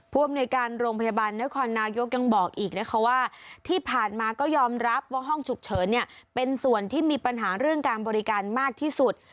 อำนวยการโรงพยาบาลนครนายกยังบอกอีกนะคะว่าที่ผ่านมาก็ยอมรับว่าห้องฉุกเฉินเนี่ยเป็นส่วนที่มีปัญหาเรื่องการบริการมากที่สุด